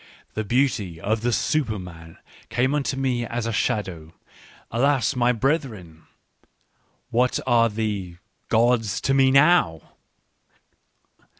The beauty of the Superman came unto me as a shadow. Alas, my brethren ! What are the — gods to me now